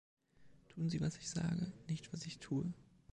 Tun Sie, was ich sage, nicht, was ich tue.